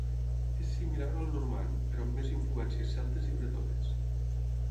És similar al normand, però amb més influències celtes i bretones.